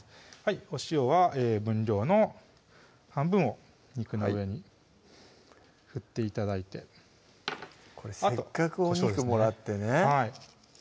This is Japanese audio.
お塩は分量の半分を肉の上に振って頂いてこれせっかくお肉もらってね